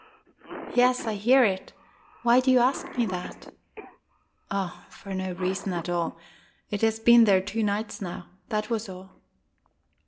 "Yes, I hear it. Why do you ask me that?" "Oh, for no reason at all. It has been there two nights now. That was all...